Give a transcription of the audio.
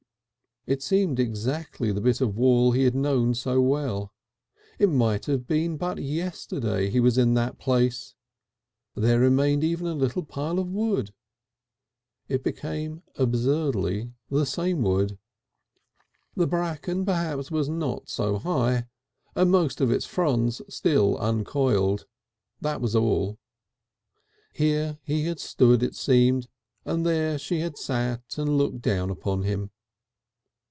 It seemed exactly the bit of wall he had known so well. It might have been but yesterday he was in that place; there remained even a little pile of wood. It became absurdly the same wood. The bracken perhaps was not so high, and most of its fronds still uncoiled; that was all. Here he had stood, it seemed, and there she had sat and looked down upon him.